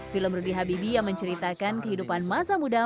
film rudy habibie yang menceritakan kehidupan masa muda